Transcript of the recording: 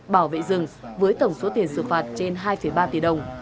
bảo vệ rừng với tổng số tiền xử phạt trên hai ba tỷ đồng